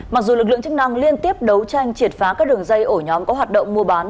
mặc dù lực lượng chức năng liên tiếp đấu tranh triệt phá các đường dây ổ nhóm có hoạt động mua bán